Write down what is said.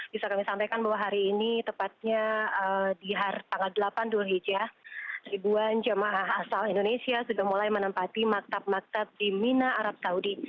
bisa kami sampaikan bahwa hari ini tepatnya di tanggal delapan dulhijjah ribuan jamaah asal indonesia sudah mulai menempati maktab maktab di mina arab saudi